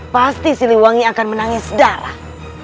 pasti siliwangi akan menangis darah